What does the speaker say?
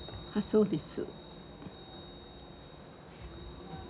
そうです。